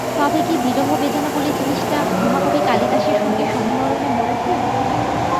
তবে কি বিরহবেদনা বলে জিনিসটা মহাকবি কালিদাসের সঙ্গে সহমরণে মরেছে?